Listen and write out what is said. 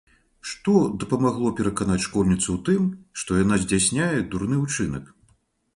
Што дапамагло пераканаць школьніцу ў тым, што яна здзяйсняе дурны ўчынак?